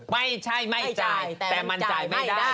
ไม่ใช่ไม่จ่ายแต่มันจ่ายไม่ได้